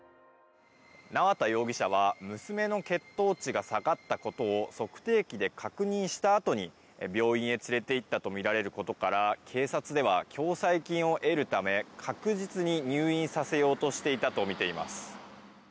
縄田容疑者は娘の血糖値が下がったことを測定器で確認したあと病院へ連れて行ったとみられることから警察では、共済金を得るため確実に入院させようとしていたとみています。